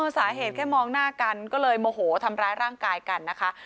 สาเหตุแค่มองหน้ากันก็เลยโมโหทำร้ายร่างกายกันนะคะ